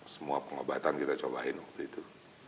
semua pengobatan kita cobain waktu itu